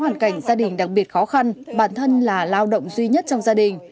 hoàn cảnh gia đình đặc biệt khó khăn bản thân là lao động duy nhất trong gia đình